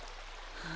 はあ。